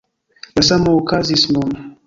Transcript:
La samo okazis nun.